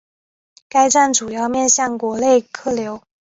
该站主要面向国内客流。